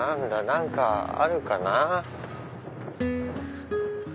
何かあるかな。